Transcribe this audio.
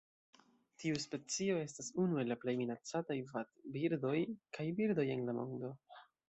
Tiu specio estas unu el la plej minacataj vadbirdoj kaj birdoj en la mondo.